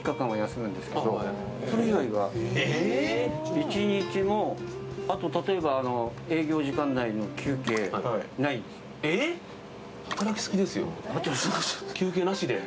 一日も、あと例えば営業時間内の休憩ないんです。